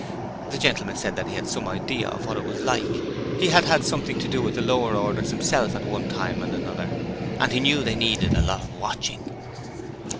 The gentleman said that he had some idea of what it was like: he had had something to do with the lower orders himself at one time and another, and he knew they needed a lot of watching.